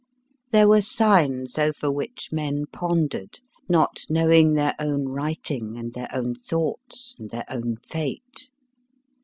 There were signs over which men pondered, not knowing their own writing, and their own thoughts, and their own fate.